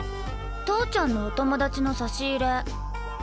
投ちゃんのお友達の差し入れ。